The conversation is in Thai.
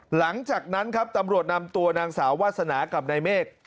หลังจากนั้นครับตำรวจนำตัวนางสาววาสนากับนายเมฆ